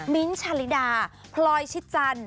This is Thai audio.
มิ้นชาลิดาพลอยชิจัน